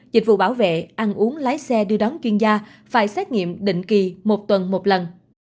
dịch vụ bảo vệ ăn uống lái xe đưa đón chuyên gia phải xét nghiệm định kỳ một tuần một lần